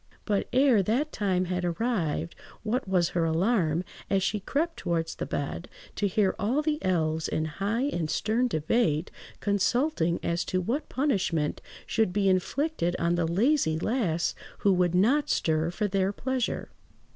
But, ere that time had arrived, what was her alarm, as she crept towards the bed, to hear all the elves in high and stern debate consulting as to what punishment should be inflicted on the lazy lass who would not stir for their pleasure.